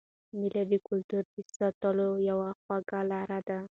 مېلې د کلتور د ساتلو یوه خوږه لار ده.